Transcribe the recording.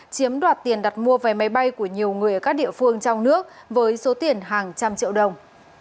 chiếm đoạt tiền đặt mua vé máy bay của nhiều người ở các địa phương trong nước với số tiền hàng trăm triệu đồng